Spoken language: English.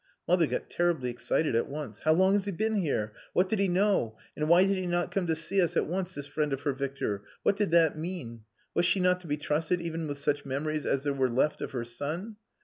Mother got terribly excited at once. How long has he been here? What did he know, and why did he not come to see us at once, this friend of her Victor? What did that mean? Was she not to be trusted even with such memories as there were left of her son?...